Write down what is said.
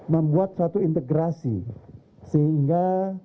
membuat satu integrasi sehingga